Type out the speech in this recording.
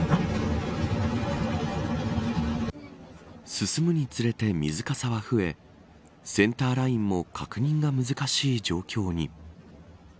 進むにつれて水かさは増えセンターラインも確認が難しい状況に。